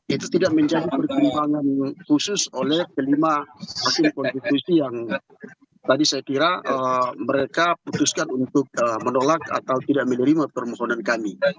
itu tidak menjadi pertimbangan khusus oleh kelima hakim konstitusi yang tadi saya kira mereka putuskan untuk menolak atau tidak menerima permohonan kami